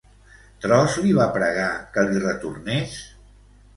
Tros li va pregar que li retornés?